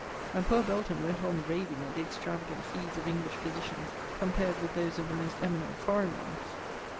and poor Belton went on raving at the extravagant fees of English physicians, compared with those of the most eminent foreign ones.